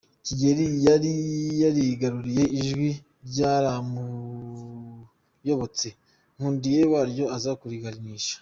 Kigeli yari yarigaruriye Ijwi ryaramuyobotse, Nkundiye waryo aza kurigandisha.